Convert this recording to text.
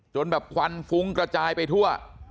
จนแบบควันฟุ้งกระจายไปทั่ว